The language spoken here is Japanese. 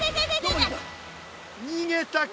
にげたか。